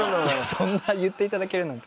そんな言っていただけるなら。